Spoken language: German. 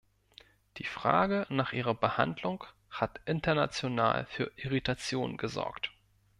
Die Frage nach ihrer Behandlung hat international für Irritationen gesorgt.